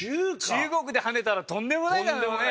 中国で跳ねたらとんでもないだろうね。